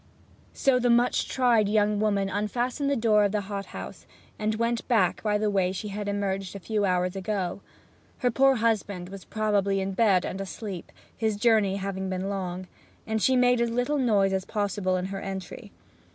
So the much tried young woman unfastened the door of the hot house, and went back by the way she had emerged a few hours ago. Her poor husband was probably in bed and asleep, his journey having been long; and she made as little noise as possible in her entry.